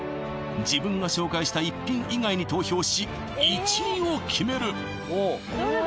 自分が紹介した一品以外に投票し１位を決める